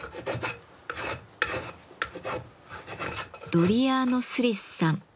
ドリアーノ・スリスさん。